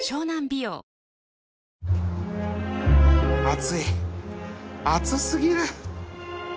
暑い暑すぎる